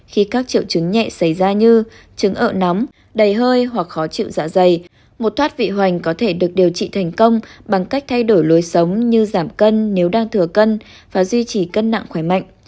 khi các triệu chứng nhẹ xảy ra như chứng ở nóng đầy hơi hoặc khó chịu dạ dày một thoát vị hoành có thể được điều trị thành công bằng cách thay đổi lối sống như giảm cân nếu đang thừa cân và duy trì cân nặng khỏe mạnh